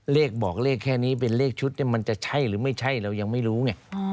เลขบอกเลขแค่นี้เป็นเลขชุดมันจะใช่หรือไม่ใช่เรายังไม่รู้ไง